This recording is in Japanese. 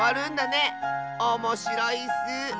おもしろいッス！